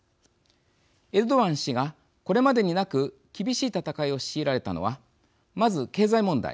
エルドアン氏がこれまでになく厳しい戦いを強いられたのはまず経済問題